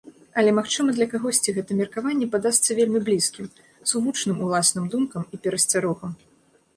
Але, магчыма, для кагосьці гэта меркаванне падасца вельмі блізкім, сугучным уласным думкам і перасцярогам.